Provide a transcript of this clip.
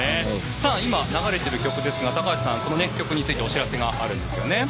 今、流れてる曲ですが高橋さん、この曲についてお知らせがあるんですよね？